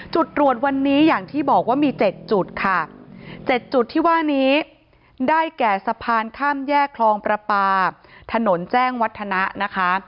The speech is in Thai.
จุดตรวจวันนี้อย่างที่บอกว่ามี๗จุดค่ะ๗จุดที่ว่านี้ได้แก่สะพานข้ามแยกคลองประปาถนนแจ้งวัฒนะนะคะ